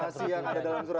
jadi itu kan